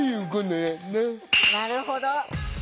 なるほど。